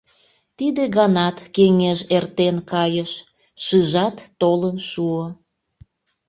Тиде ганат кеҥеж эртен кайыш, шыжат толын шуо.